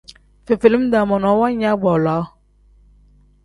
Fefelima-daa monoo waaya baaloo.